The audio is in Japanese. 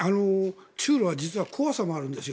中ロは実は怖さもあるんですよ。